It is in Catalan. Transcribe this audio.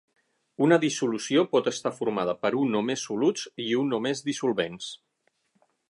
Una dissolució pot estar formada per un o més soluts i un o més dissolvents.